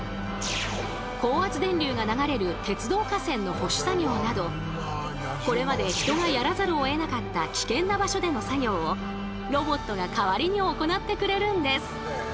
高圧電流が流れる鉄道架線の保守作業などこれまで人がやらざるをえなかった危険な場所での作業をロボットが代わりに行ってくれるんです。